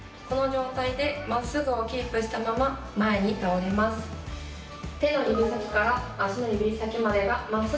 この状態で真っすぐをキープしたまま前に倒れます。